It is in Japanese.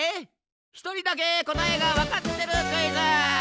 ひとりだけこたえがわかってるクイズ。